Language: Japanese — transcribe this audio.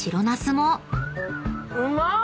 うまっ！